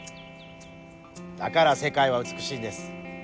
だから世界は美しいんです。